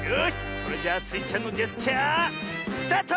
それじゃスイちゃんのジェスチャースタート！